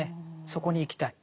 そこに行きたい。